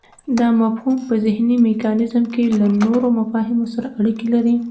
دا مفهوم په ذهني میکانیزم کې له نورو مفاهیمو سره اړیکی لري